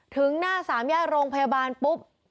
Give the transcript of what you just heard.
ถึงหน้าสามแยกโรงพยาบาลปุ๊บ